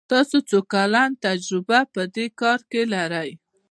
تاسو څو کلن تجربه په دي کار کې لری ؟